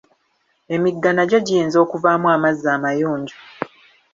Emigga nagyo giyinza okuvaamu amazzi amayonjo.